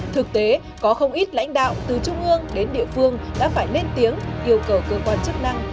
thực tế có không ít lãnh đạo từ trung ương đến địa phương đã phải lên tiếng yêu cầu cơ quan chức năng